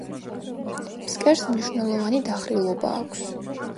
ფსკერს მნიშვნელოვანი დახრილობა აქვს.